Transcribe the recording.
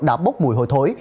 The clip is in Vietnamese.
đã bốc mùi hồi thối